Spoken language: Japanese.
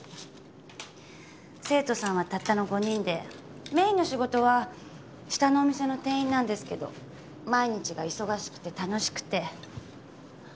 生徒さんはたったの５人でメーンの仕事は下のお店の店員なんですけど毎日が忙しくて楽しくて。